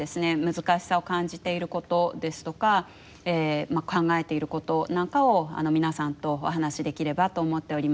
難しさを感じていることですとか考えていることなんかを皆さんとお話できればと思っております。